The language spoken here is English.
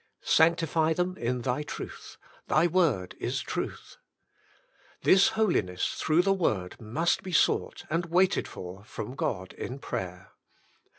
" Sanctify them in Thy truth. Thy word is truth." This Holiness Through the Word Must Be Sought and Waited for from God in Prayer.